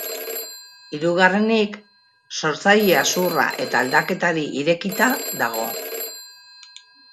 Hirugarrenik, sortzailea zuhurra eta aldaketari irekita dago.